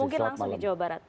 mungkin langsung di jawa barat